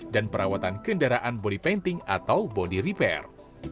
dan perawatan kendaraan body painting atau body repair